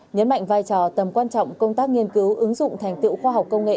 nhấn mạnh vai trò tầm quan trọng công tác nghiên cứu ứng dụng thành tựu khoa học công nghệ